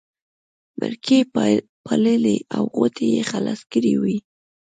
مرکې یې پاللې او غوټې یې خلاصې کړې وې.